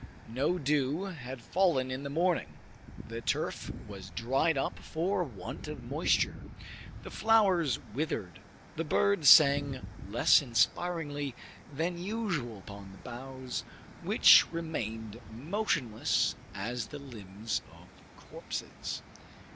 No dew had fallen in the morning; the turf was dried up for want of moisture, the flowers withered. The birds sang less inspiringly than usual upon the boughs, which remained motionless as the limbs of corpses.